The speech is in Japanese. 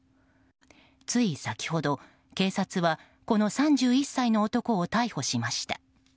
つい先ほど、警察はこの３１歳の男を逮捕しました。